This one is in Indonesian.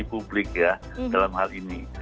dan publik dalam hal ini